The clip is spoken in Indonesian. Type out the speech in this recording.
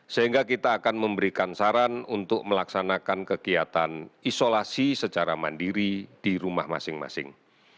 sehingga kita akan memberikan saran untuk melaksanakan kegiatan isolasi secara mandiri di rumah masing masing